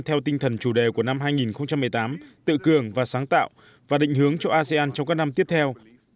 theo tinh thần chủ đề của năm hai nghìn một mươi tám tự cường và sáng tạo và định hướng cho asean trong các năm tiếp theo